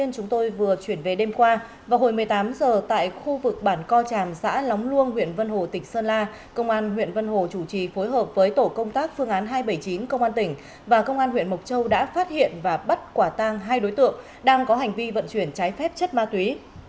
chúng tôi vừa chuyển về đêm qua vào hồi một mươi tám h tại khu vực bản co tràm xã lóng luông huyện vân hồ tỉnh sơn la công an huyện vân hồ chủ trì phối hợp với tổ công tác phương án hai trăm bảy mươi chín công an tỉnh và công an huyện mộc châu đã phát hiện và bắt quả tang hai đối tượng đang có hành vi vận chuyển trái phép chất ma túy